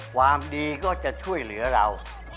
ความดีก็จะช่วยเหลือเรา